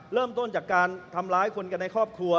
เริ่มต้นจากการทำร้ายคนกันในครอบครัว